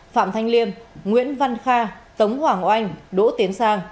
phạm thanh liêm nguyễn văn kha tống hoàng oanh đỗ tiến sang